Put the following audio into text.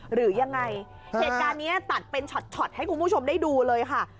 หรือยังไงเหตุการณ์เนี้ยตัดเป็นช็อตให้คุณผู้ชมได้ดูเลยค่ะ